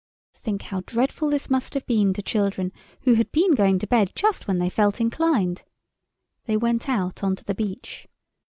Think how dreadful this must have been to children who had been going to bed just when they felt inclined. They went out on to the beach.